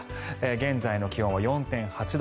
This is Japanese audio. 現在の気温は４．８度。